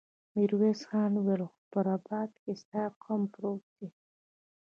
ميرويس خان وويل: خو په رباط کې ستا قوم پروت دی.